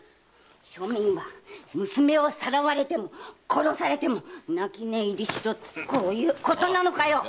庶民は娘をさらわれても殺されても泣き寝入りしろってことなのかよ！